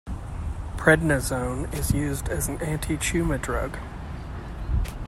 Prednisone is used as an antitumor drug.